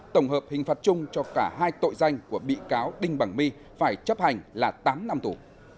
tổng hợp hình phạt chung cho cả hai tội danh của bị cáo đinh bằng my phải chấp hành là tám năm tù